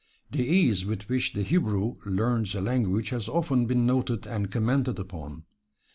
The ease with which the Hebrew learns a language has often been noted and commented upon.